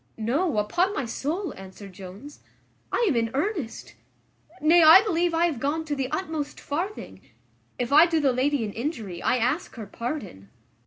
"No, upon my soul," answered Jones, "I am in earnest: nay, I believe I have gone to the utmost farthing. If I do the lady an injury, I ask her pardon."